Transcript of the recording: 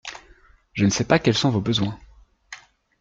Je ne sais pas quels sont vos besoins